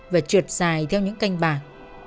và trượt dài theo những canh bạc